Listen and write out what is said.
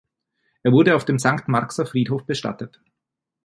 Er wurde auf dem Sankt Marxer Friedhof bestattet.